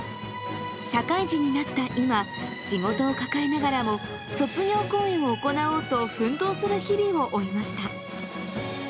社会人になった今、仕事を抱えながらも、卒業公演を行おうと奮闘する日々を追いました。